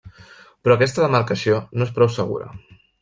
Però aquesta demarcació no és prou segura.